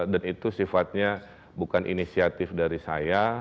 dan itu sifatnya bukan inisiatif dari saya